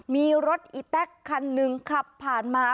มีรถอีแต๊กคันหนึ่งขับผ่านมา